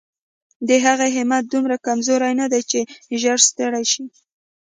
د هغې همت دومره کمزوری نه دی چې ژر ستړې شي.